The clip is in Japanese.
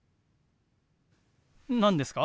何ですか？